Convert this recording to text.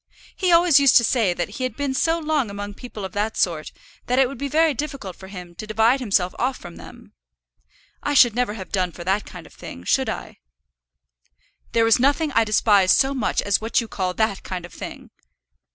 He always used to say that he had been so long among people of that sort, that it would be very difficult for him to divide himself off from them. I should never have done for that kind of thing; should I?" "There is nothing I despise so much as what you call that kind of thing."